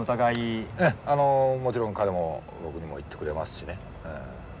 ええあのもちろん彼も僕にも言ってくれますしね。